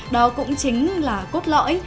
đó cũng chính là cốt lõi